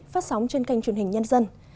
phát sóng trên kênh truyền hình nhân dân